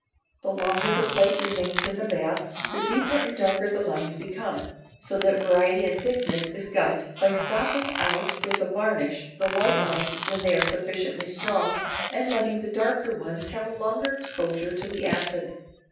The longer the plate remains in the bath the deeper and darker the lines become, so that variety in thickness is got by stopping out with a varnish the light lines when they are sufficiently strong, and letting the darker ones have a longer exposure to the acid.